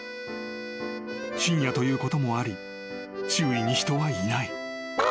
［深夜ということもあり周囲に人はいない］